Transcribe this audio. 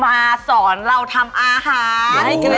มาสอนเราทำอาหาร